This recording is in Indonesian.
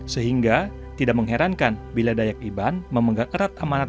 dan air adalah darah bagi warga suku dayak iban yang mengalir untuk menunjang sistem metabolisme pada kehidupan